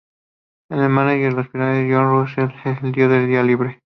El mánager de los Piratas John Russell le dio el día libre.